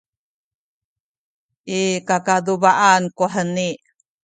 i kakaduba’an kuheni